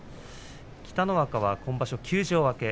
北の若は今場所、休場明け。